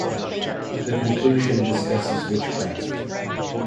The conclusion discusses witchcraft.